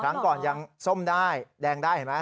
ครั้งก่อนยังส้มได้แดงได้เห็นไหม